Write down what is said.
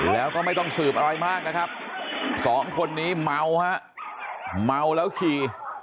แล้วก็ไม่ต้องสืบอะไรมากนะครับสองคนนี้เมาฮะเมาแล้วขี่